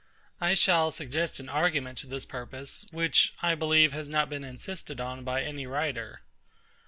I shall suggest an argument to this purpose, which, I believe, has not been insisted on by any writer.